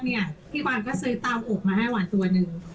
นี่หวานก็ซื้อเตาอกมาให้หวานตัวนึง